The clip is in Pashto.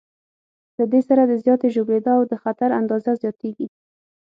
له دې سره د زیاتې ژوبلېدا او د خطر اندازه زیاتېږي.